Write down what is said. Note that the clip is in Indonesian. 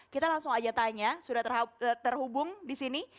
kita langsung aja tanya sudah terhubung di sini